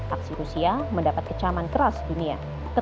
aksi rusia mendapat kecaman keras dunia